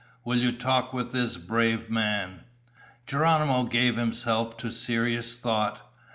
Will you talk with this brave man?" Geronimo gave himself to serious thought.